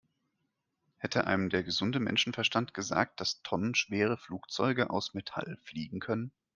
Hätte einem der gesunde Menschenverstand gesagt, dass tonnenschwere Flugzeuge aus Metall fliegen können?